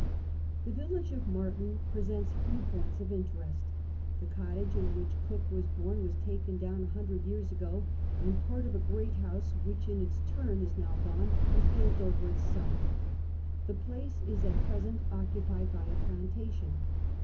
The village of Marton presents few points of interest The cottage in which Cook was bom was taken down a hundred years ego, and part of a great house, which in it%tum is. now gone, was built over its site. The place is at present occupied by a piffihtation.